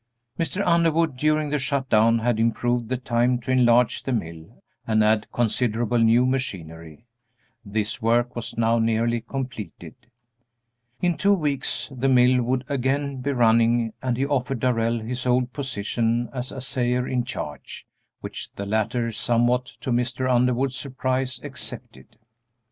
Mr. Underwood, during the shut down, had improved the time to enlarge the mill and add considerable new machinery; this work was now nearly completed; in two weeks the mill would again be running, and he offered Darrell his old position as assayer in charge, which the latter, somewhat to Mr. Underwood's surprise, accepted.